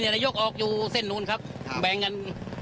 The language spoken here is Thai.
นายกออกอยู่เส้นนู้นครับแบ่งกัน